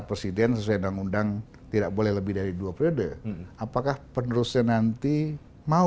presiden sesuai dengan undang tidak boleh lebih dari dua periode apakah penerusnya nanti mau